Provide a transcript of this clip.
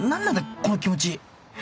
この気持ち